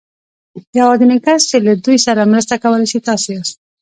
يوازېنی کس چې له دوی سره مرسته کولای شي تاسې ياست.